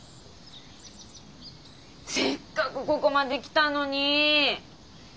せっかくここまで来たのにィ。